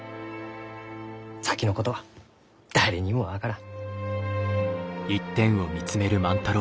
先のことは誰にも分からん。